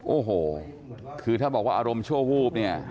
โอ้โหคือถ้าบอกว่าอารมณ์ชั่ววูบเนี่ย